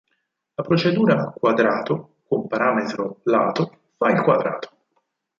La procedura "quadrato" con parametro "lato" fa il quadrato.